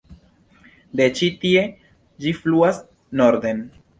De ĉi-tie ĝi fluas norden.